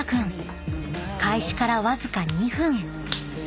［開始からわずか２分］